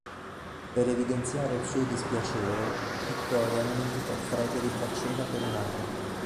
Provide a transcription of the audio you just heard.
Per "evidenziare il suo dispiacere", Vittoria non invitò Frederick a cena per un anno.